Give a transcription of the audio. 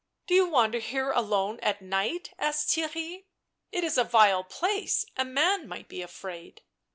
" Do you wander here alone* at night ?" asked Theirry. " It is a vile place; a man might be afraid.